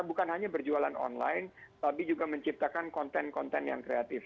bukan hanya berjualan online tapi juga menciptakan konten konten yang kreatif